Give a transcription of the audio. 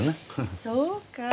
そうか？